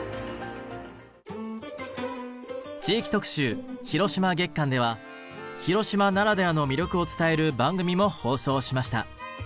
地域特集・広島月間では広島ならではの魅力を伝える番組も放送しました。